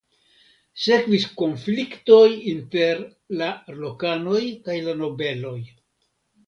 Sekvis konfliktoj inter la lokanoj kaj la nobeloj.